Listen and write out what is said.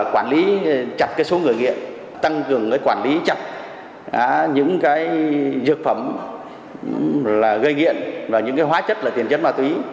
quản lý chặt số người nghiện tăng cường quản lý chặt những dược phẩm gây nghiện và những hóa chất là tiền chất ma túy